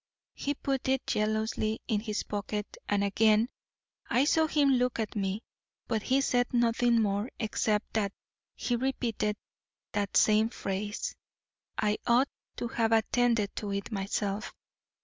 He put it jealously in his pocket, and again I saw him look at me, but he said nothing more except that he repeated that same phrase, 'I ought to have attended to it myself.